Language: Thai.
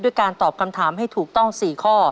การตอบคำถามให้ถูกต้อง๔ข้อ